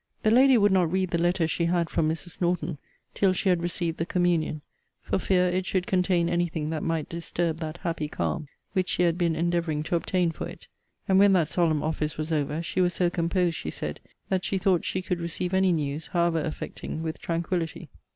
The lady would not read the letter she had from Mrs. Norton till she had received the Communion, for fear it should contain any thing that might disturb that happy calm, which she had been endeavouring to obtain for it. And when that solemn office was over, she was so composed, she said, that she thought she could receive any news, however affecting, with tranquillity.